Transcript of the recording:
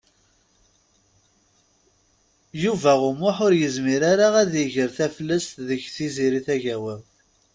Yuba U Muḥ ur yezmir ara ad iger taflest deg Tiziri Tagawawt.